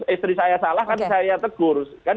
istri saya salah kan saya tegur